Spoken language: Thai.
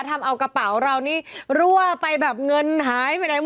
ทำเอากระเป๋าเรานี่รั่วไปแบบเงินหายไปไหนหมด